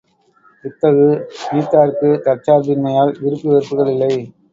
இத்தகு நீத்தார்க்குத் தற்சார்பின்மையால் விருப்பு வெறுப்புக்கள் இல்லை.